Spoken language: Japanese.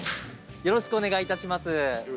よろしくお願いします。